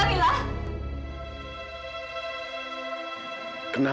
kamu bilang sama aku kenapa